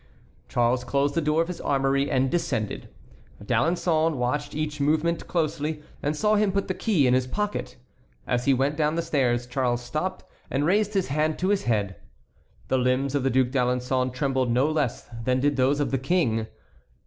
Charles closed the door of his armory and descended. D'Alençon watched each movement closely, and saw him put the key in his pocket. As he went down the stairs Charles stopped and raised his hand to his head. The limbs of the Duc d'Alençon trembled no less than did those of the King.